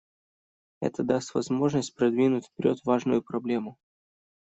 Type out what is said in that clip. Это даст возможность продвинуть вперед важную проблему.